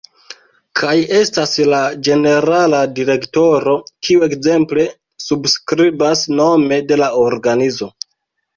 Kaj estas la ĝenerala direktoro kiu ekzemple subskribas nome de la organizo.